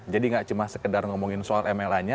jadi tidak cuma sekedar ngomongin soal mlanya